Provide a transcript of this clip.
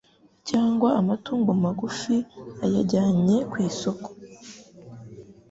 cyangwa amatungo magufi ayajyanye kwisoko.